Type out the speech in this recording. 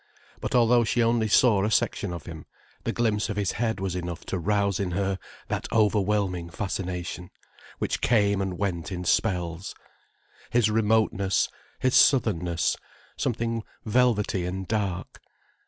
But, although she only saw a section of him, the glimpse of his head was enough to rouse in her that overwhelming fascination, which came and went in spells. His remoteness, his southernness, something velvety and dark.